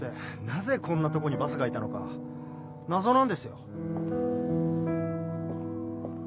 なぜこんなとこにバスがいたのか謎なんですよ。